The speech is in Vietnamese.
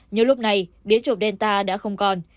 nhưng lúc này biến chủng delta đã không còn